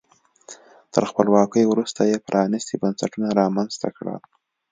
تر خپلواکۍ وروسته یې پرانیستي بنسټونه رامنځته کړل.